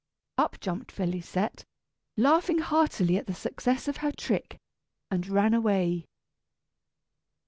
Up jumped Félisette, laughing heartily at the success of her trick, and ran away.